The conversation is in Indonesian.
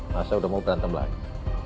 masa udah mau berantem lagi